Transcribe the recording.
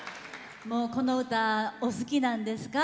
この歌、お好きなんですか。